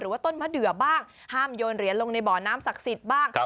ว่าต้นมะเดือบ้างห้ามโยนเหรียญลงในบ่อน้ำศักดิ์สิทธิ์บ้าง